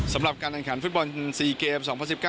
สำหรับการแข่งขันฟุตบอล๔เกม๒๐๑๙